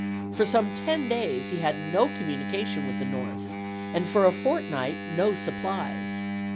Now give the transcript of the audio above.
For some ten days he had no communication with the North, and for a fortnight no supplies.